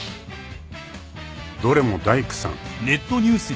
［どれも大工さん］